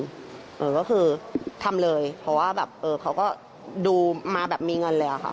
ก็คือทำเลยเพราะว่าเขาก็ดูมาแบบมีเงินแล้วค่ะ